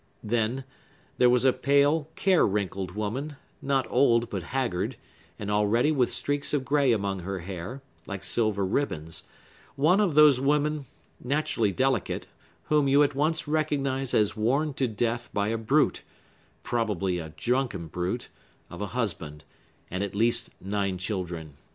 Then, there was a pale, care wrinkled woman, not old but haggard, and already with streaks of gray among her hair, like silver ribbons; one of those women, naturally delicate, whom you at once recognize as worn to death by a brute—probably a drunken brute—of a husband, and at least nine children.